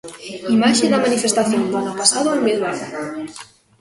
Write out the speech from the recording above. Imaxe da manifestación do ano pasado en Bilbao.